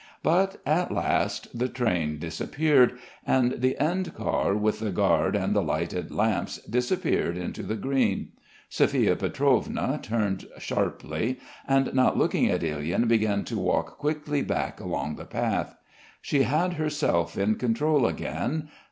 But at last the train disappeared, and the end car with the guard and the lighted lamps disappeared into the green. Sophia Pietrovna turned sharply and not looking at Ilyin began to walk quickly back along the path. She had herself in control again.